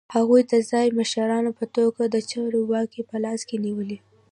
هغوی د ځايي مشرانو په توګه د چارو واګې په لاس کې نیولې.